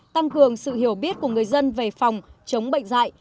tăng cường sự hiểu biết của người dân về phòng chống bệnh dạy